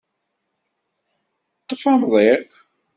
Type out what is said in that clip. Ṭṭef amḍiq.